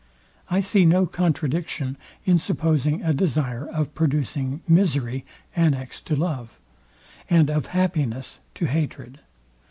I see no contradiction in supposing a desire of producing misery annexed to love, and of happiness to hatred.